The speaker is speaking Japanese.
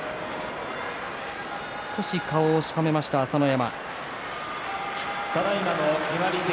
少し顔をしかめました朝乃山。